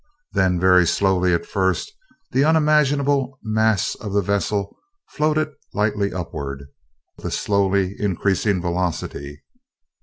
Then, very slowly at first, the unimaginable mass of the vessel floated lightly upward, with a slowly increasing velocity.